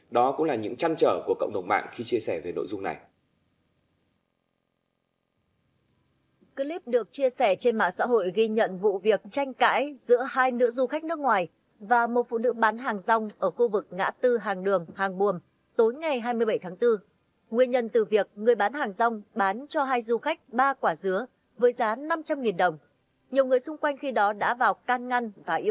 đó cũng là những trăn trở của cộng đồng mạng khi chia sẻ về nội dung này